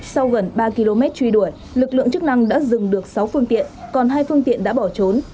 sau gần ba km truy đuổi lực lượng chức năng đã dừng được sáu phương tiện còn hai phương tiện đã bỏ trốn